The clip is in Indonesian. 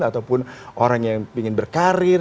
ataupun orang yang ingin berkarir